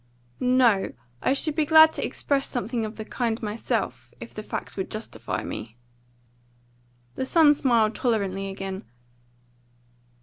"No. I should be glad to express something of the kind myself, if the facts would justify me." The son smiled tolerantly again.